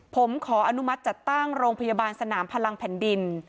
ผมขออนุมัติจัดตั้งโรงพยาบาลสนามพลังแผ่นดิน